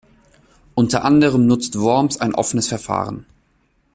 Unter anderem nutzt Worms ein offenes Verfahren.